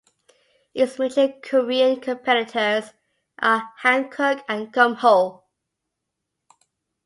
Its major Korean competitors are Hankook and Kumho.